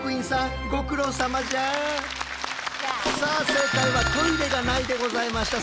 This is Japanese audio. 正解はトイレがないでございました。